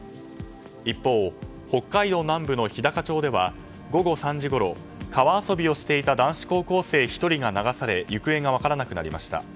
一方、北海道南部の日高町では午後３時ごろ川遊びをしていた男子高校生１人が流され行方が分からなくなりました。